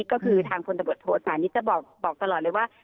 ก็คือทางพลตบทศาลนี้จะบอกตลอดเลยว่า